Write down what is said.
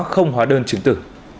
không hóa đơn chứng tử